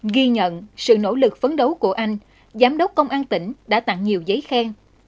ghi nhận sự nỗ lực phấn đấu của anh giám đốc công an tỉnh đã tặng nhiều giấy khen